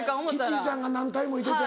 キティちゃんが何体もいてて。